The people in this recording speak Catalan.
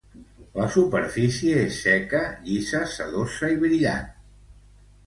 La superfície és seca, llisa, sedosa i brillant.